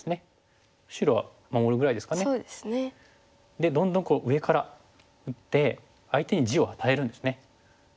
でどんどん上から打って相手に地を与えるんですね。